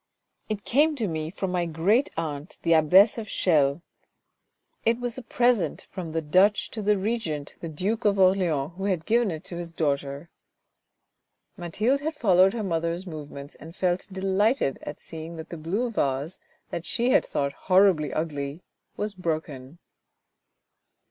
" It came to me from my great aunt, the abbess of Chelles. It was a THE JAPANESE VASE 377 present from the Dutch to the Regent, the Duke of Orleans, who had given it to his daughter. ..." Mathilde had followed her mother's movements, and felt delighted at seeing that the blue vase, that she had thought horribly ugly, was broken.